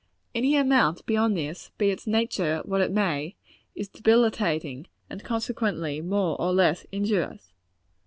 Any amount beyond this, be its nature what it may, is debilitating, and consequently more or less injurious.